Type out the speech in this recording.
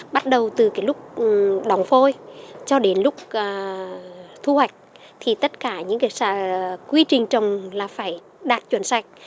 bắt đầu từ lúc đóng phôi cho đến lúc thu hoạch thì tất cả những quy trình trồng là phải đạt chuẩn sạch